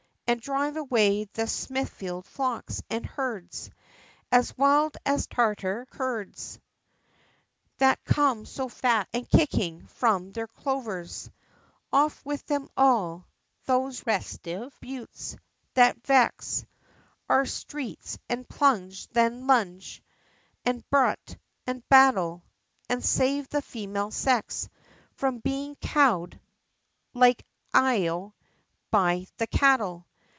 And drive away the Smithfield flocks and herds! As wild as Tartar Curds, That come so fat, and kicking, from their clovers; Off with them all! those restive brutes, that vex Our streets, and plunge, and lunge, and butt, and battle; And save the female sex From being cow'd like Iö by the cattle!